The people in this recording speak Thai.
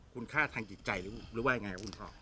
คุณค่าทางจิตใจหรือว่ายังไงครับคุณพ่อ